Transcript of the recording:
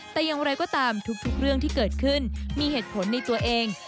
แต่อย่างไรก็ตามทุกเรื่องที่เกิดขึ้นมีเหตุผลในตัวเอง